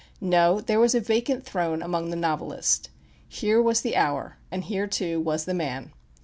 No, there was a vacant throne among the novelists. Here was the hour and here, too, was the man.